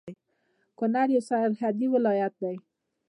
کونړ يو سرحدي ولايت دی